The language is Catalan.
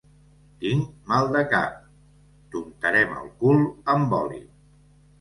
Tinc mal de cap. —T'untarem el cul amb oli.